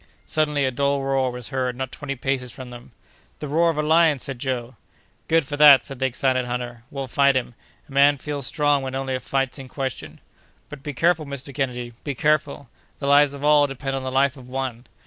Suddenly, a dull roar was heard not twenty paces from them. "The roar of a lion!" said Joe. "Good for that!" said the excited hunter; "we'll fight him. A man feels strong when only a fight's in question." "But be careful, Mr. Kennedy; be careful! The lives of all depend upon the life of one."